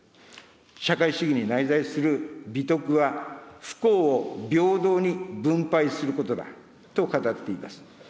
社会主義に内在する美徳は、不幸を平等に分配することだと語っています。